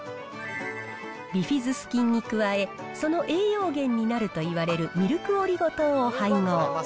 ビフィズス菌に加え、その栄養源になると言われるミルクオリゴ糖を配合。